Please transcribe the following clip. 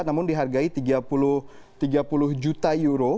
namun dihargai tiga puluh juta euro